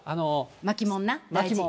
巻きもんな、大事。